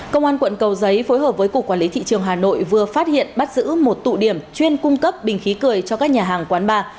công an quận cầu giấy phối hợp với cục quản lý thị trường hà nội vừa phát hiện bắt giữ một tụ điểm chuyên cung cấp bình khí cười cho các nhà hàng quán bar